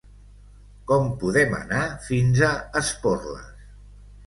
Com podem anar fins a Esporles?